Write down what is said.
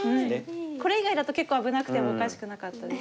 これ以外だと結構危なくてもおかしくなかったです